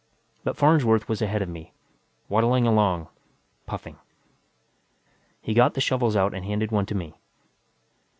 But Farnsworth was ahead of me, waddling along, puffing. He got the shovels out and handed one to me.